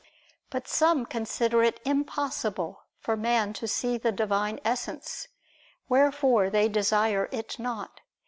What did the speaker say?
But some consider it impossible for man to see the Divine Essence; wherefore they desire it not.